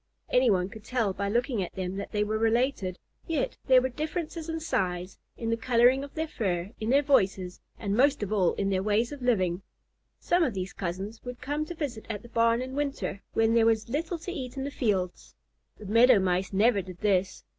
Any one could tell by looking at them that they were related, yet there were differences in size, in the coloring of their fur, in their voices, and most of all in their ways of living. Some of these cousins would come to visit at the barn in winter, when there was little to eat in the fields. The Meadow Mice never did this.